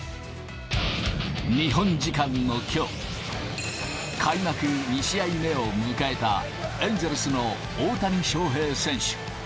日本時間のきょう、開幕２試合目を迎えたエンゼルスの大谷翔平選手。